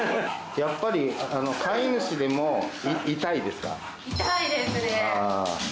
やっぱり飼い主でも痛いです痛いですね。